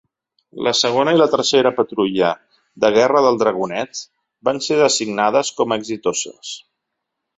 La segona i la tercera patrulles de guerra del "Dragonet" van ser designades com a "exitoses".